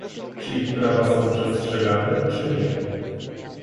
Czy ich prawa są przestrzegane, czy nie?